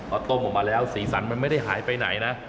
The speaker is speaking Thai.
พอต้มออกมาแล้วสีสันมันไม่ได้หายไปไหนนะ